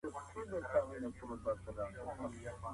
خو ځینې کسان شته چې دودونه ماتوي.